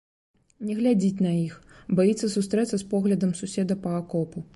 Не глядзіць на іх, баіцца сустрэцца з поглядам суседа па акопу.